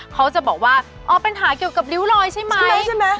เขาจะบอกว่าอ๋อปัญหาเกี่ยวกับริ้วรอยใช่ไหมใช่ไหม